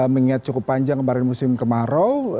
mengingat cukup panjang kemarin musim kemarau